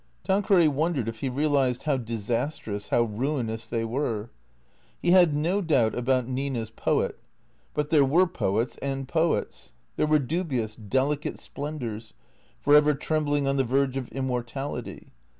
Tanqueray wondered if he realized how disastrous, how ruin ous they were. He had no doubt about Nina's poet. But there were poets and poets. There were dubious, delicate splendours, for ever trembling on the verge of immortality.